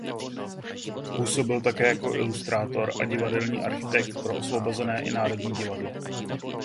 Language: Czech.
Působil také jako ilustrátor a divadelní architekt pro Osvobozené i Národní divadlo.